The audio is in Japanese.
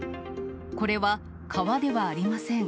これは川ではありません。